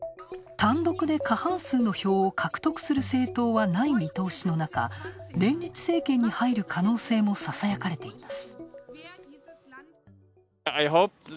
単独で過半数の票を獲得する政党はない見通しの中、連立政権に入る可能性もささやかれています。